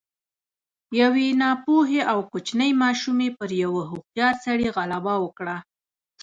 يوې ناپوهې او کوچنۍ ماشومې پر يوه هوښيار سړي غلبه وکړه.